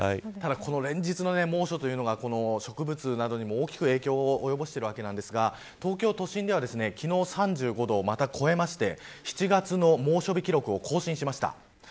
連日の猛暑というのが植物などにも大きく影響を及ぼしているわけですが東京都心では昨日３５度をまた超えまして７月の猛暑日記録を更新しました。